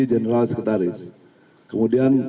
general sekretaris kemudian